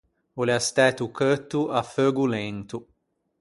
O l’ea stæto cheutto à feugo lento.